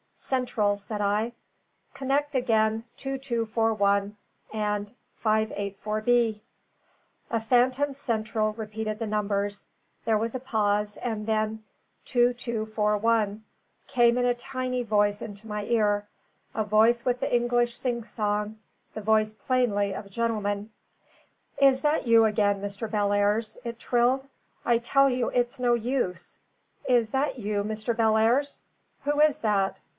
"Central," said I, "connect again 2241 and 584 B." A phantom central repeated the numbers; there was a pause, and then "Two two four one," came in a tiny voice into my ear a voice with the English sing song the voice plainly of a gentleman. "Is that you again, Mr. Bellairs?" it trilled. "I tell you it's no use. Is that you, Mr. Bellairs? Who is that?"